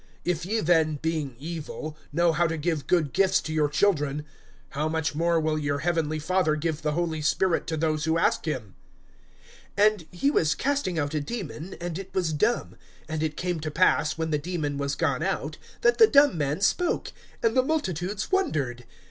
(13)If ye then, being evil, know how to give good gifts to your children, how much more will your heavenly Father give the Holy Spirit to those who ask him? (14)And he was casting out a demon, and it was dumb. And it came to pass, when the demon was gone out, that the dumb man spoke; and the multitudes wondered.